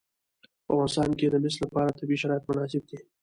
په افغانستان کې د مس لپاره طبیعي شرایط مناسب دي.